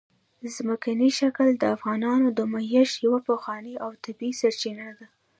ځمکنی شکل د افغانانو د معیشت یوه پخوانۍ او طبیعي سرچینه ده.